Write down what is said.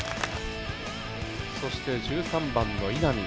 そして１３番の稲見。